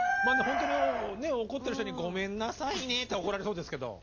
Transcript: ほんとに怒ってる人にごめんなさいねって言ったら怒られそうですけど。